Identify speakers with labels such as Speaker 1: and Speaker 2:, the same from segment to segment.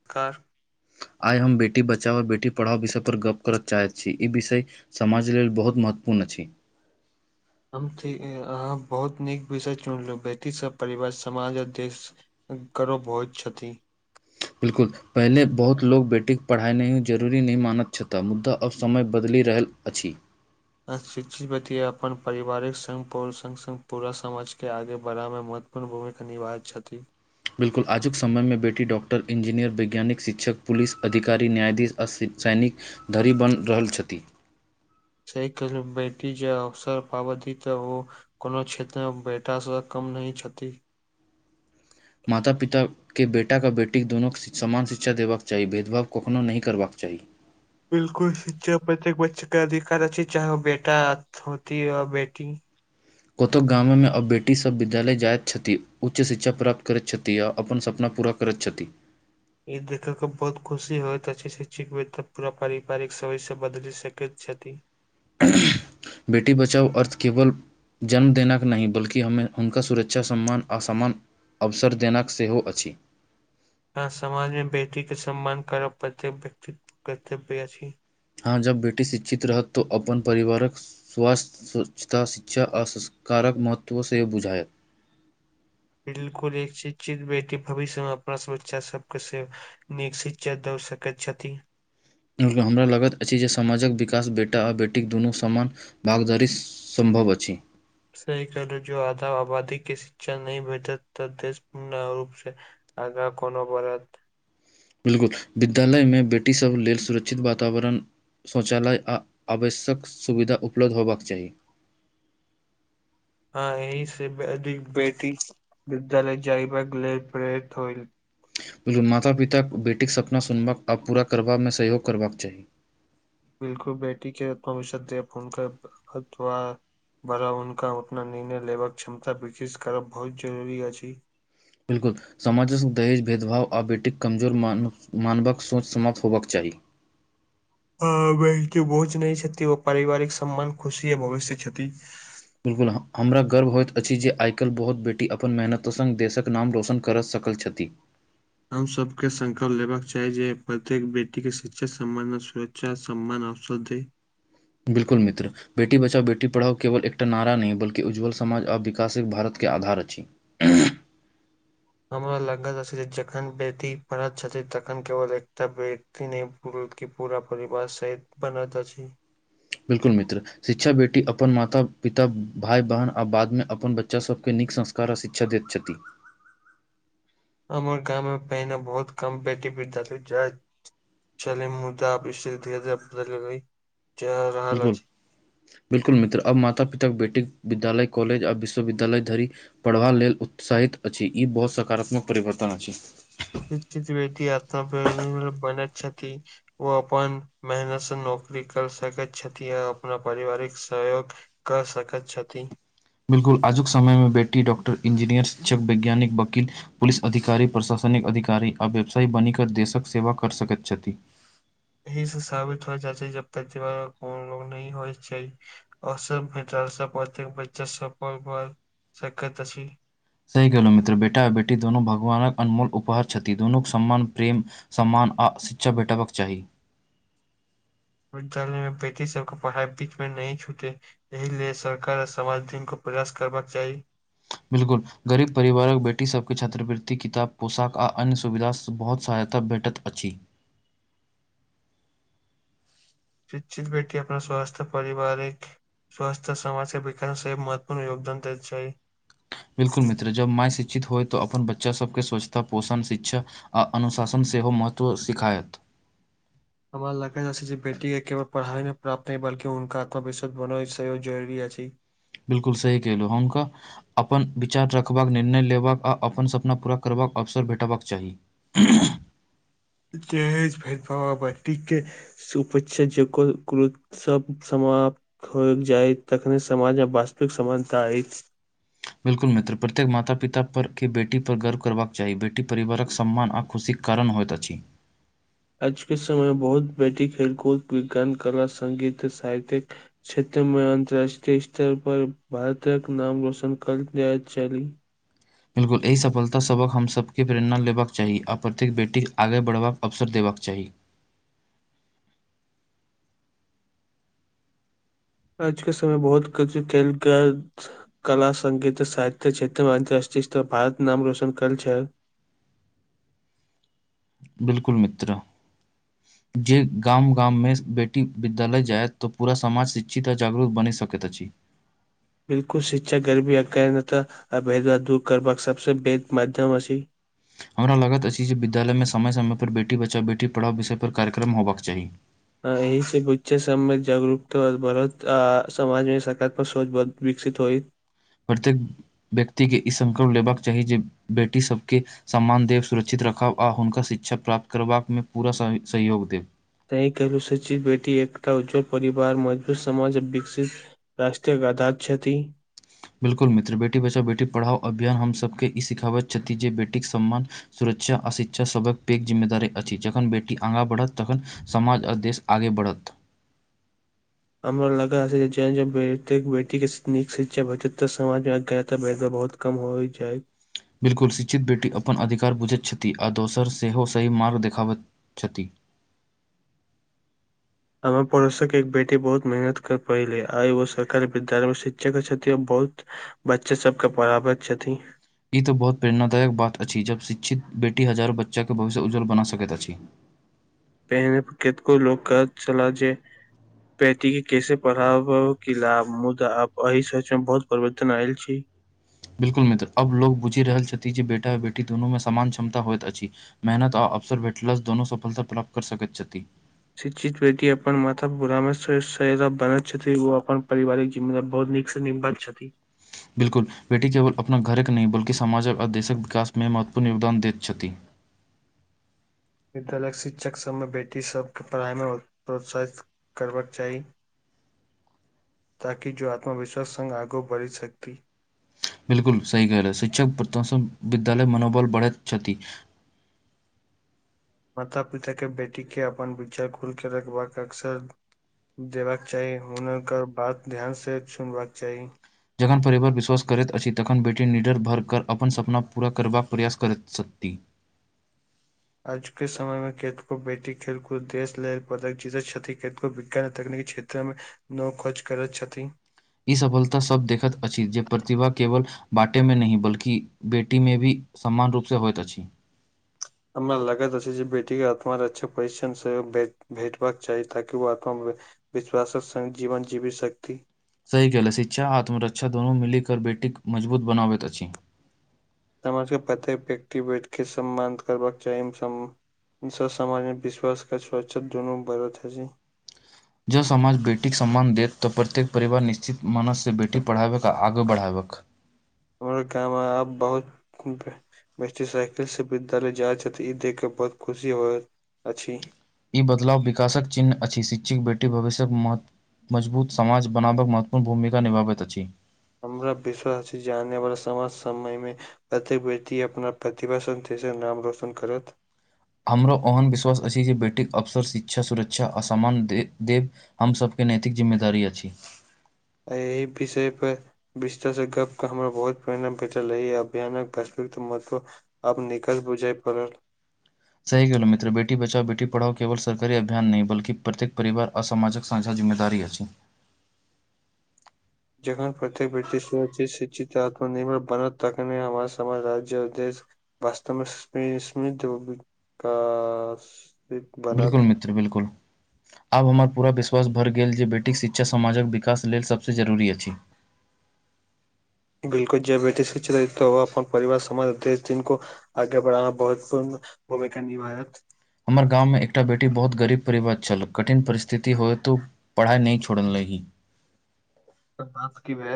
Speaker 1: [unintelligible]
Speaker 2: आइ हम बेटी बचाओ आओर बेटी पढ़ाओ विषय पर गप्प करय चाहैत छी ई विषय समाज लेल बहुत महत्वपूर्ण अछि
Speaker 1: हम अहाँ बहुत नीक विषय चुनलहु बेटी सब परिवार समाज आ देश कररो भहु् छथि
Speaker 2: बिल्कुल पहिले बहुत लोक बेटीकेँ पढ़ाइ नहि जरूरी नहि मानैत छथिह मुद्दा आओ समय बदलि रहल अछि
Speaker 1: अशिक्षित व्य्त अपन पिवारिक सङ्ग प सङ्ग सङ्ग पूरा समाजके आगे बढ़ाबमे मद अपन भूमिका निभाहैत छथिन
Speaker 2: बिल्कुल आजुक समयमे बेटी डॉ्क्टर इंजीनियर वैज्ञानिक शिक्षक पुलस अधिकार न्यायाधीश आ सैनिक धरि बनि रहल छथि
Speaker 1: सही कहलू बेट्री जे अवसर पाबतीी तऽ ओ कोनो क्षेत्रमऽ बेटा सऽ कम नहि छथि
Speaker 2: माता पिता के बेटाके आ बेटीक दुनूँ समान शिक्षा देबाक चाही भेदभाव कखनहु नहि करबाक चाही
Speaker 1: बिल्कुल शिक्षा प्रत्येक बच्चे कऽ अधिकार अच् चाहे ओ बेटा होती आ बेटी
Speaker 2: कतहु गामे मऽ आब बेटी सब विद्यालय जाइत छथि उच्च शिक्षा प्राप्त करैत छथि आ अपन सपना पूरा करे छथि
Speaker 1: ई देखे के बहुत खुशी होत अछि श्ष तऽ पूरा पारिवारिक सबय से बदलि सकैत छथि
Speaker 2: बेटी बचाओ अर्थ केवल जन्मदना नहि बल्कि हमे हुनका सुरक्षा सम्मान असमान अवसर देन सेहो अछि
Speaker 1: अ समाज मऽ बेटी के सम्मान करब प्रतेक व्यक्तित्व कर्तव्य अछि
Speaker 2: हँ जब बेटी शिक्षित रहत तऽ ओ अपन परिवारक स्वास्थ्य स्वच्छता शिक्षा आ संस्कारक महत्व सेहो बुझाायत
Speaker 1: बिल्कुल एक चित बेटी भविष्यमे अपना बच्चा सबके से निक शिक्षा दअ सकैत छथि
Speaker 2: हमरा लगैत अछि जे समाजक विकास बेटा आ बेटीक दुनू समान भागदारी सम्भव अछि
Speaker 1: सही कहलू जो आध आबादी के शिक्षा नहि भेटत देश पूर्ण रूप से आगा कोनो [unintelligible]
Speaker 2: बिल्कुल विद्यालयमे बेटीसभ लेल सुरक्षित वातावरण शौचालय आ आवश्यक सुविधा उपलब्ध होयबाक चाही
Speaker 1: हँ एहि से अधिक बेटी विद्यालय जाइबाक लेल प्रेरित होइल
Speaker 2: बिल्कुल माता पिता बेटीके सपना सुनबाक आ पूरा करबामे सहयोग करबाक चाही
Speaker 1: बिल्कुल बेटी के आत्मविषद देनक बड़ा उनका उतना निर्णय लेबाक क्षमता ब्रिटिश करब बहुत जरुरी अछि
Speaker 2: बिल्कुल समाजक दहेज भेदभाव आ बेटीक कमजोर मानवक सोच समाप्त होयबाक चाही
Speaker 1: बक बोझ नहि छथि ओ पारिवारिक सम्मान खुशी य भविष्य छथि
Speaker 2: बिल्कुल हमरा गर्व होइत अछि जे आइकाल्हि बहुत बेटी अपन मेहनत संग देशक नाम रोशन करऽ सक कल छथि
Speaker 1: हम सब के संकल्प लेबाक चाही जे प्रत्येक बेटी कऽ शिक्षा सम्बंध च्चा सम्मान औषधी
Speaker 2: बिल्कुल मित्र बेटी बचाओ बेटी पढ़ाओ केवल एकटा नारा नहि बल्कि उज्जल समाज आ विकासिक भारत के आधार अछि
Speaker 1: हमरा लागत अछि जखन बेटी पढ़त छथिन तखन केवल एकता बे -ती नय बल्कि पूरा परिवार सै बनत अछि
Speaker 2: बिल्कुल मित्र शिक्षा बेटी अपन माता पिता भाय बहन आ बादमे अपन बच्चा सबके नीक संस कार ऽशिक्षा देछति
Speaker 1: हमर गाम मे पहिने बहुत कम‌ बेटी विद्यालय जै छेलै मुदा अब‌ स्थिति धीरे धीरे बदल चै रहल अछि
Speaker 2: बिलकुल मित्र अब माता पिता बेटी विद्यालय कॉलेज आ विश्वविद्यालय धरी पढ़बा लेल उत्साहित अछि ई बहुत सकारात्मक परिवर्तन अछि
Speaker 1: [unintelligible] बनै छथि ओ अपन मेहनत स नौकरी कर सकैत छथि य अपना पारिवारिक सहयोग करऽ सकैत छथि।
Speaker 2: बिल्कु आजुक समय में बेटी डॉकटर इंजीनियर शिक्षक वैज्ञानिक वकील पुलिस अधिकारी प्रशासनिक अधिकारी आ व्यवसायी बनीक देशक सेवा कर सकैत छथि
Speaker 1: अही से साबित होईत अति जे प्रतिभा में कोन लोग नै होइ छै। असभ्यता स प्रत्येक बच्चा सफल भ सकैत अछि
Speaker 2: सहि कलहुँ मित्र बेटा बेटी दुनू भगवानक अनमोल उपहार छथि दुनूक सम्मान प्रेम। सम्मान आ शिक्षा भेटाबक चाही।
Speaker 1: विद्यालय मे बेटी सबके पढ़ाई बीच में नै छूटै एहिले सरकार [unintelligible] को प्रयास करबाक चाही।
Speaker 2: बिलकुल गरीब परिवारक बेटी सबके छात्रवृति किताब पोशाक आ अन्य सुविधा बहुत सहायता भेटत। अछि।
Speaker 1: शिक्षित बेटी अपना स्वास्थ्य परिवारिक स्वासथ समाज के विकास मे महत्वपूर्ण योगदान दै छै।
Speaker 2: बिल्कुल मित्र जब माय शिक्षित होइ तऽ अपन बच्चा सबके स्वच्छता पोषण शिक्षा। आ अनुशासन सेहो महत्व सिखायत।
Speaker 1: हमरा लगैत अछि जे बेटी के केवल पढ़ाई प्राप्त ह बल्कि हुनका आत्मविश्वास बना जरुररी अछि।
Speaker 2: बिलकु सही केलहु हुनका। अपन विचार रखबाक निर्णय लेबाक आ अपन सपना पूरा करबाक अवसर भेटबाक चाही। [inaudible]
Speaker 1: [unintelligible] टीके। [unintelligible] जे कुल कुल सब समाप खोल जाय तखने समाज आ वास्तविक समानता आईत
Speaker 2: बिल्कुल मित्र प्रत्येक माता पिता पर के बेटी पर गर्व करबाक चाही बेटी परिवारक सम्मान आ खुशी। कारण होइत अछि।
Speaker 1: आजके समय मे बहुत बेटी खेलकूद विज्ञान कला संगीत साहित्यिक। क्षेत्र मे अन्तर्राष्ट्रीय स्तर पर भारतक नाम रोशन कर जाय छली
Speaker 2: बिलकुल एहि सफलतासभक हमसभके प्रेरणा लेबाक चाही आ प्रत्येक बेटीक आगे बढ़बाक अवसर देबाक चाही।
Speaker 1: आजके समय बहुत कछु खेल काज कला संगीत साहित्य क्षेत्रमे अंतरराष्ट्रीय स्तर भारत नाम रोशन करल छै।
Speaker 2: बिलकुल मित्र। जे गाम गाममे बेटी विद्यालय जायत तऽ पूरा समाज शिक्षित आ जागरूक बनि सकैत अछि।
Speaker 1: बिल्कुल शिक्षा गरीबी आ कै नऽ तऽ अभेद्द दूर करबाक सबसँ पैघ माध्यम अछि।
Speaker 2: हमरा लगत अछि जे विद्यालयमे समय समयपर बेटी बचाओ बेटी पढ़ाओ विषय पर कार्यक्रम होबाक चाही।
Speaker 1: एहि से बुच्चे सम मे जागरूकता बढत आ समाज मे सकारात्मक सोच विकसित होइ।
Speaker 2: प्रत्येक व्यक्ति के ई संकल्प लेबाक चाही जे बेटी सबके। सम्मान देब सुरक्षित रखब आ हुनका शिक्षा प्राप्त करबाकमे पूरा सहयोग देब।
Speaker 1: सहि कहलू शिक्षित बेटी एकटा उज्ज्वल परिवार मजबूत समाज आ विकसित। राष्ट्रक आधार छथि।
Speaker 2: बिलकुल मित्र बेटी बचाओ बेटी पढ़ाओ अभियान हमसभके ई सिखाबैत छथि जे बेटीक सम्मान। सुरक्षा आ शिक्षा सबक पैघ जिम्मेदारी अछि जखन बेटी आगाँ बढ़त तखन। समाज आ देश आगे बढ़त।
Speaker 1: हमरो लगा बेटी के नीक शिक्षा भेटत तऽ समाज मे [unintelligible] बहुत। कम होइ जाय
Speaker 2: बिल्कुल शिक्षित बेटी अपन अधिकार बुझैत छथि आ दोसर सेहो सही मार्ग देखाबैत छथि।
Speaker 1: हमर पड़ोसक एक बेटी बहुत मेहनत कर पहिले आइ ओ सरकारी विद्यालय मे शिक्षक छथि आ बहुत। बच्चे सबके पढ़ाबैत छथि।
Speaker 2: ई तऽ बहुत प्रेरणादायक बात अछि जब शिक्षित बेटी हजारो बच्चाक के भविष्य उज्ज्वल बना सकैत अछि।
Speaker 1: पहने प केतको लोक कहैत छला जेे। बेटी के कैसे पढ़ाव की लाभ मुदा आ एहि सोच मे बहुत परिवर्तन आयल छी।
Speaker 2: बिल्कुल मित्र अब लोग बुझि रहल छथि जे बेटा बेटी दुनू मे समान क्षमता होइत अछि। मेहनत आ अवसर भेठलो स दोनो सफलता प्राप्त कर सकैत छथि।
Speaker 1: शिक्षित बेटी अपन माता बूढ़ा मे सैहरा बनैत छथि ओ अपन पारिवारिक मतलब बहुत नीक से नीक बात छथि।
Speaker 2: बिल्कुल बेटी केवल अपना घरक नहि बल्कि सामाजिक आ देशक विकासमे महत्वपूर्ण योगदान दैत छथि
Speaker 1: विद्यालय शिक्षक सबमे बेटी सबके पढ़ाइमे प्रोत्साहित करबक चाही ताकि जो आत्मविश्वास संग आगू बढ़ि सकती
Speaker 2: बिल्कुल सही कहल छै शिक्षक प्रति विद्यालय मनोबल बढ़ैत छथि।
Speaker 1: माता पिता के बेटी के अपन विचार खुल के रखबाक अक्सर देबाक चाही हुनकर बात ध्यान से चुनबाक चाही।
Speaker 2: जखन परिवर विश्वास करैत अछि तखन बेटी निडर भर कर अपन सपना पूरा करबाक करैत सकती
Speaker 1: आजुके समय मे खेत को बैठी खेलकूद देश लहर पदक चीज छथि केतो ब तकनीकी क्षेत्र मे वो खोज करैत छथि
Speaker 2: ई सफलता सब देखत अछि जे प्रतिभा केवल बाटे मे नहि बल्कि बेटी मे भी समान रूप से होइत अछि
Speaker 1: हमरा लागत अछि जे बेटीेके आत्मा रक्षा परिक्षण सेहो भेटबाक चाही ताकि ओ आत्मामे विश्वासक संग जीवन जीवी शक्ति।
Speaker 2: सही केहलऽ शिक्षा आत्मरक्षा दुनू मिल कर बेटीक मजबूत बनाबैत अछि।
Speaker 1: समाजके प्रत्येक व्यक्ति बेट के सम्मान करबाक चाही मसम् इस समाजमे विश्वास के स्वच्छा दुनू बरथ अछि।
Speaker 2: जँ समाज बेटीके सम्मान देत तऽ प्रत्येक परिवार निश्चित मानससँ बेटी पढ़ाबै आ आगू बढ़ाबैक
Speaker 1: हमरा काम अ आब बहुत बेटी साइकिल से विद्यालय जाइत छथि ई देख के बहुत खुशी होयत अछि।
Speaker 2: ई बदलाव विकासक चिन्ह अछि शिक्षिक बेटी भविष्यक महत्व मजबूत समाज बनाबक महत्वपूर्ण भूमिका निभाबैत अछि।
Speaker 1: हमरा विश्वास छै जे आने वाला सम समय मे प्रत्येक व्यकि अपना प्रतिभास शक्ति से नाम रौशन करत।
Speaker 2: हमरो ओहन विश्वास अछि जे बेटीक अवसर शिक्षा सुरक्षा आ सामान दे देव हम सबके नैैतिक जिम्मेदारी अछि
Speaker 1: अहि विषयपर विस्तर से गप क हमरा बहुत प्रेरणा [unintelligible] रहैया [unintelligible] महत्व आब निकल बुझै पड़ल
Speaker 2: सही कहलों मित्र बेटी बचाओ बेटी पढ़ाओ केवल सरकारी अभियान नहि बल्कि प्रत्येक परिवार असामाजक साँझा जिम्मेदारी अछि
Speaker 1: जखन प्रत्येक व्यक्ति शिक्षित आत्मनिर्भर बनत तखने हमर समाज राज्य देश बास्तमे [unintelligible] बनत
Speaker 2: [unintelligible] बिलकुल आब हमर पूरा विश्वास भर गेल जे बेटीक शिक्षा समाजक विकास लेल सभसँ जरूरी अछि
Speaker 1: बिल्कुल जे बेटी शिक्ष अपन परिवार समाज दे [unintelligible] आगे बढ़ाना महुतपूर्ण भूमिका निभायत
Speaker 2: हमर गाममे एकटा बेटी बहुत गरीब परिवार छल कठिन परिस्थिति होयतु पढ़ाइ नहि छोड़लही
Speaker 1: त बात कि भ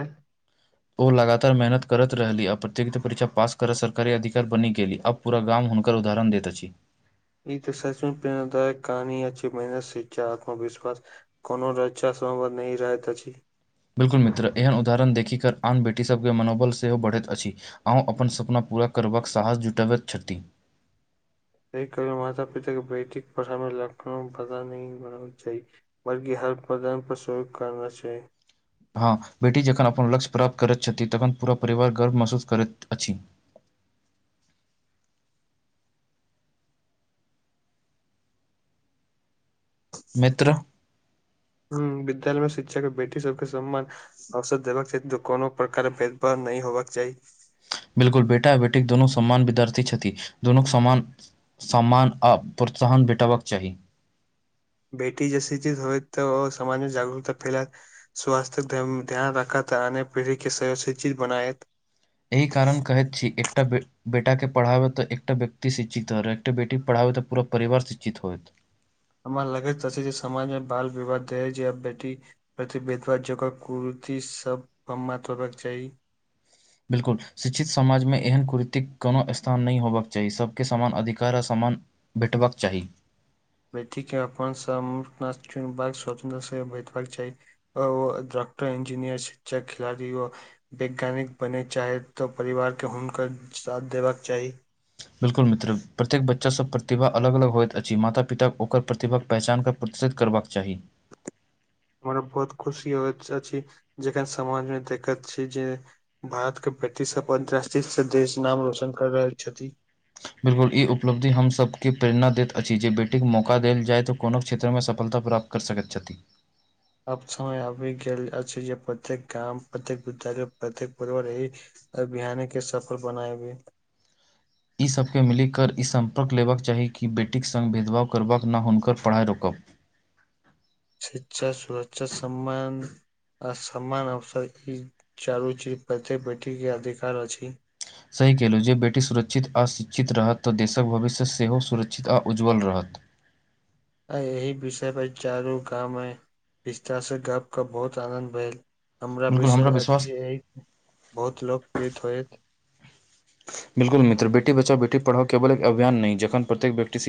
Speaker 2: ओ लगातार मेहनत करत रहली आ प्रतियोगिता परीक्षा पास करऽ सरकारी अधिकार बनी गेली अब पूरा गाम हुनकर उदाहरण दैत अछि
Speaker 1: ई त [unintelligible] कहानिय अछि [unintelligible] कोनो रक्षासँव नहि रहैत अछि
Speaker 2: बिल्कुल मित्र एहन उदाहरण देखिक कर आन बेटीसभके मनोबल सेहो बढ़ैत अछि अहूँ अपन सपना पूरा करबाक साहस जुटबैत छथि
Speaker 1: एहि कारन माता पिता के बेटीक पढ़ाबअ [unintelligible] बल्कि हर प्रदानपर सहयोग करबाक चाहि
Speaker 2: हँ बेटी जखन अपन लक्ष्य प्राप्त करैत छथि तखन पूरा परिवार गर्व महसूस करैत अछि मित्र
Speaker 1: हुं विद्यालय मे शिक्षक बेटी सबके सम्मान अवसर देबाक चाही कोनो प्रकार भेदभाव नै होबक चाही
Speaker 2: बिलकुल बेटा आ बेटीक दोनू समान विद्यार्थी छथिन दुनू सम्मान सम्मान आ प्रोत्साहन भेटबक चाही
Speaker 1: बेटी जैस चीज होयत तऽ ओ समाजमे जागरूकता फैलात स्वास्थ्य्यक ध्यान राखत आ अ्य पीढ़ी के सय शिक्षित बनायत
Speaker 2: एहि कारण कहैत छी एकटा बे बेटाके पढ़ाबै तऽ एकटा व्यक्ति शिक्षित हो रह एकटा बेटी पढ़ाबै तऽ पूरा परिवार शिक्षित होय
Speaker 1: हमरा लगज त अछै जे समाजमे बाल विवाह दहेज या बेटी प्रतिभेदव जगह कुर्ती सब मात [unintelligible]
Speaker 2: बिलकुल शिक्षित समाजमे एहन कुड़ीतीक कोनो स्थान नहि होबाक चाही सबके समान अधिकार आ समान बेटबक चाही
Speaker 1: व्यक्ति अपन [unintelligible] चुनबाक स्वतन्त्रता स भेटबाक चाही अ ओ डॉकटर इंजीनियर शिक्षक खिलाड़ी ओ वैज्ञानिक बने चाहे तऽ परिवारके हुनकर साथ देबाक चाही
Speaker 2: बिल्कुल मित्र प्रत्येक बच्चा सब प्रतिभा अलग अलग होयइत अछि माता पिता के ओकर प्रतिभाक के पहचान क [unintelligible] करबाक चाही
Speaker 1: हमरा बहुत खुशी होइत अछि जखन समाजमे देखैत छी जे भारत के ब्रिटिश सब अंतरराष्ट्रीय देश नाम रोशन कर रहल छथि
Speaker 2: बिलकुल ई उपलब्धि हमसभके प्रेरणा दैत अछि जे बेटीक मौका देल जाय तऽ कोनो क्षेत्रमे सफलता प्राप्त सकैत छथि
Speaker 1: अब छमय आबि गेल अछि जे प्रत्येक गाम प्रत्येक विद्यालय प्रत्येक पर्वरहि अभियाने के सफल बना [unintelligible]
Speaker 2: ई सबके मिलिकर ई सम्पर्क लेबक चाही कि बेटीक सङ्ग भेदभाव करबाक ना हम हुनकर पढ़ाइ रोकब
Speaker 1: शिक्षा सुरक्षा सम्मान आ सम्मान अवसर ई चारू चीज प्रतेक बेटी के अधिकार अछि
Speaker 2: सही केलहुँ जे बेटी सुरक्षित आओ शिक्षित रहत तऽ देशक भविष्य सेहो सुरक्षित आ उज्ज्वल रहत
Speaker 1: आ एहि विषय पर चारू गांमे विस्तार से गप के बहुत आनद भेल हमरा
Speaker 2: बिल्कुल
Speaker 1: विषय अछ
Speaker 2: विश्वास
Speaker 1: जे बहुत लोकपीट होयत
Speaker 2: बिलकुल मित्र बेटी बचाओ बेट पढ़ओ केवल एक अभियान नहि जखन प्रत्येक व्यक्ति सीख